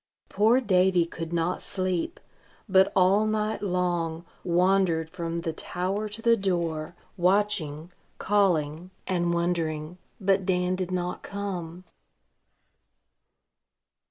Poor Davy could not sleep, but all night long wandered from the tower to the door, watching, calling, and wondering; but Dan did not come.